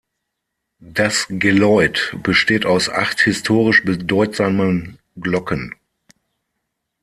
Das Geläut besteht aus acht historisch bedeutsamen Glocken.